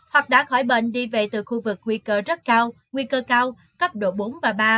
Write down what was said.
hoặc đã khỏi bệnh đi về từ khu vực nguy cơ rất cao nguy cơ cao cấp độ bốn và ba